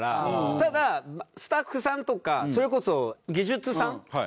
ただスタッフさんとかそれこそ技術さん。